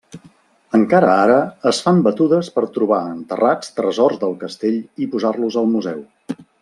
Encara ara, es fan batudes per trobar enterrats tresors del castell i posar-los al museu.